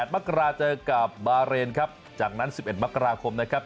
มกราเจอกับบาเรนครับจากนั้น๑๑มกราคมนะครับ